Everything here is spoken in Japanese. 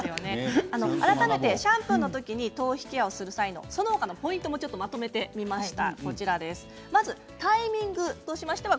シャンプーの時に頭皮ケアをする際のその他のポイントをまとめました。